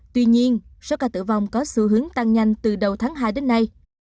tuy nhiên số ca tử vong có xu hướng tăng nhanh từ đầu tháng hai đến nay